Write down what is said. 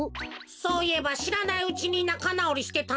そういえばしらないうちになかなおりしてたな。